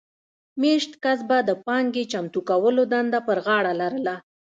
مېشت کس به د پانګې چمتو کولو دنده پر غاړه لرله